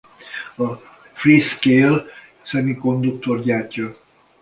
A Freescale Semiconductor gyártja.